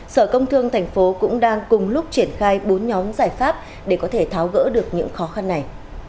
sở công thương thành phố cũng đang cùng lúc triển khai bốn nhóm giải pháp để có thể tháo gỡ được những khó khăn này